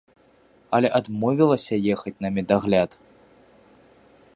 Але адмовілася ехаць на медагляд.